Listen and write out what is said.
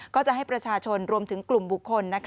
ก็จะให้ประชาชนรวมถึงกลุ่มบุคคล